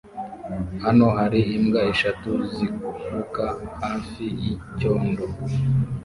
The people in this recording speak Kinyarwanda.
Hano hari imbwa eshatu ziruka hafi yicyondo